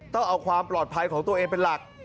ต้องเอาความปลอดภัยของตัวเองเป็นหลัก